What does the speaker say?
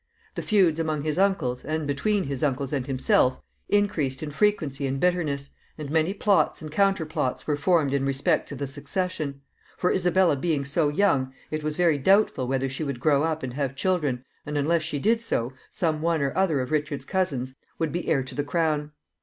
The feuds among his uncles, and between his uncles and himself, increased in frequency and bitterness, and many plots and counterplots were formed in respect to the succession; for Isabella being so young, it was very doubtful whether she would grow up and have children, and, unless she did so, some one or other of Richard's cousins would be heir to the crown.